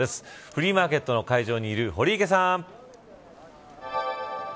フリーマーケットの会場にいる堀池さん。